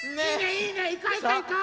いこういこういこう！